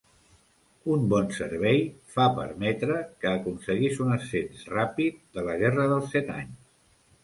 Un bon servei fa permetre que aconseguís un ascens ràpid de la Guerra dels set anys.